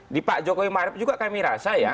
di pak jokowi maruf juga kami rasa ya